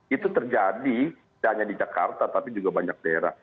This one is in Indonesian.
itu terjadi tidak hanya di jakarta tapi juga banyak daerah